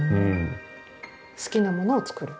好きなものを作る？